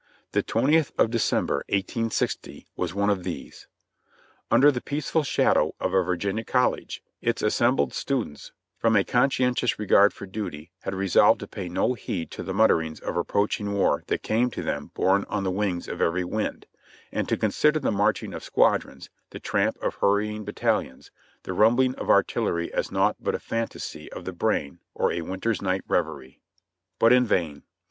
The 20th of December, i860, was one of these. Under the peaceful shadow of a Virginia college, its assembled students, from a conscientious regard for duty, had resolved to pay no heed to the mutterings of approaching war that came to them borne on the wings of every wind, and to consider the marching of squadrons, the tramp of hurrying battalions, the rumbling of artillery as naught but a phantasy of the brain or a winter night's reverie. But in vain